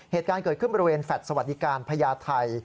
เหตุการณ์เกิดขึ้นบริเวณแฟลต์สวัสดิการพญาไทย